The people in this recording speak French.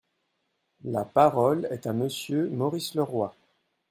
La parole est à Monsieur Maurice Leroy.